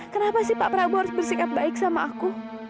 kenapa sih pak prabowo harus bersikap baik sama aku